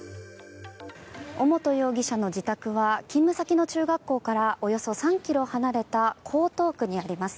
尾本容疑者の自宅は勤務先の中学校からおよそ３ｋｍ離れた江東区にあります。